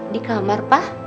di kamar pa